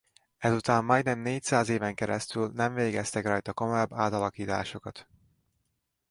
Ezután majdnem négyszáz éven keresztül nem végeztek rajta komolyabb átalakításokat.